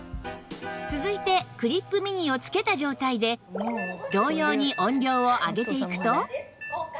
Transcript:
続いてクリップ・ミニをつけた状態で同様に音量を上げていくと